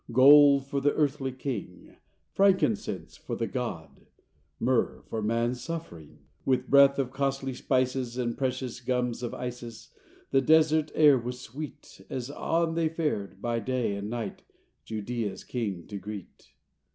Gold for the earthly king— Frankincense for the God— Myrrh for man’s suffering. With breath of costly spices And precious gums of Isis, The desert air was sweet, As on they fared by day and night Judea’s King to greet.